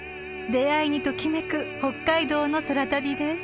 ［出合いにときめく北海道の空旅です］